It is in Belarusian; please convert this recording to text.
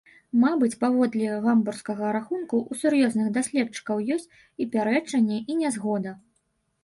Мабыць, паводле гамбургскага рахунку, у сур'ёзных даследчыкаў ёсць і пярэчанні, і нязгода.